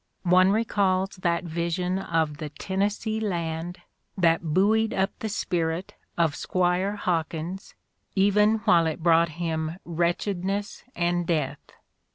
One recalls that vision of the "Ten nessee land" that buoyed up the spirit of Squire Hawkins, even while it brought him wretchedness and death.